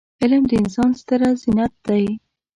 علم د انسان ستره زينت دی.